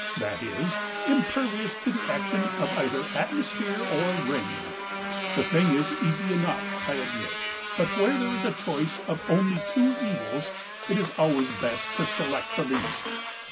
that is, impervious to the action of either atmosphere or rain. The thing is easy enough, I admit; but where there is a choice of only two evils, it is always best to select the least.